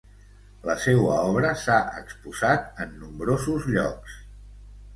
La seua obra s'ha exposat en nombrosos llocs.